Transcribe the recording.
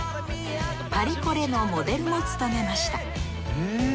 パリコレのモデルも務めました。